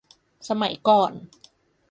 สมัยก่อน